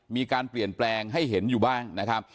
มีการเปลี่ยนแปลงให้เห็นอยู่บ้างนะครับ